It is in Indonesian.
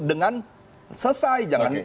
dengan selesai jangan